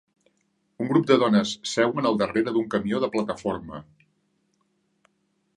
Un grup de dones seuen al darrere d'un camió de plataforma.